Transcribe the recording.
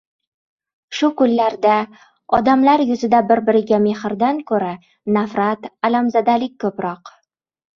— Shu kunlarda odamlar yuzida bir-biriga mehrdan ko‘ra, nafrat, alamzadalik ko‘proq.